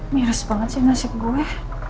mihas banget sih nasib gue